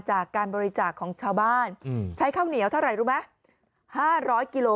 จากการบริจาคของชาวบ้านใช้ข้าวเหนียวเท่าไหร่รู้ไหม๕๐๐กิโล